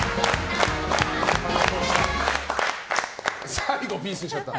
最後、ピースしちゃった。